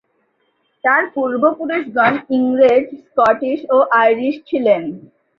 তার পূর্বপুরুষগণ ইংরেজ, স্কটিশ ও আইরিশ ছিলেন।